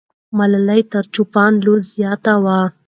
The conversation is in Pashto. ملالۍ تر چوپان لور زیاته وه.